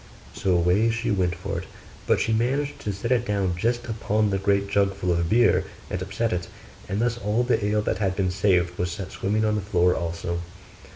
So away she went for it: but she managed to set it down just upon the great jug full of beer, and upset it; and thus all the ale that had been saved was set swimming on the floor also.